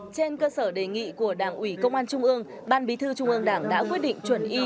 trên cơ sở đề nghị của đảng ủy công an trung ương ban bí thư trung ương đảng đã quyết định chuẩn y